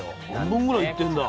半分ぐらいいってんだ。